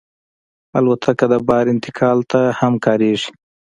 الوتکه د بار انتقال ته هم کارېږي.